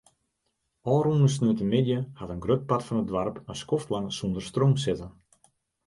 Ofrûne sneontemiddei hat in grut part fan it doarp in skoftlang sonder stroom sitten.